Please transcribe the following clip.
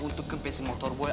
untuk kempesin motor boy